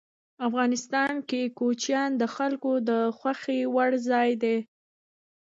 افغانستان کې کوچیان د خلکو د خوښې وړ ځای دی.